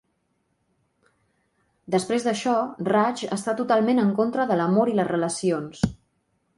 Després d'això, Raj està totalment en contra de l'amor i les relacions.